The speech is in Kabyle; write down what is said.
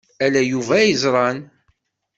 Ala Yuba ay yeẓran.